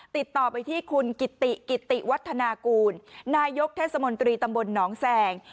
ติดต่อไปที่คุณกิติกิติวัฒนากูลนายกเทศมนตรีตำบลหนองแสง